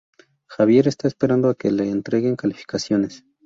Xavier está esperando a que le entreguen calificaciones.